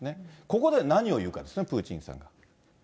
ここで何を言うかですね、プーチンさんが。